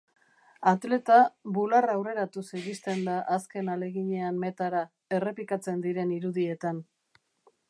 Atleta, bularra aurreratuz iristen da azken ahaleginean metara, errepikatzen diren irudietan.